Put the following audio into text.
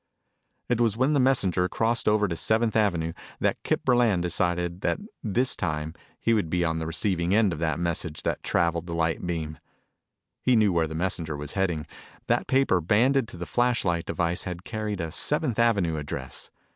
It was when the messenger crossed over to Seventh Avenue that Kip Burland decided that this time he would be on the receiving end of that message that traveled the light beam. He knew where the messenger was heading. That paper banded to the flashlight device had carried a Seventh Avenue address.